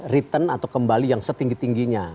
return atau kembali yang setinggi tingginya